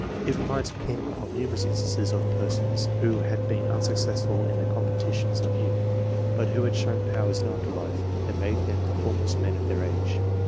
It reminds him of numerous instances of persons who had been unsuccessful in the competitions of youth, but who had shown powers in after life that made them the foremost men of their age.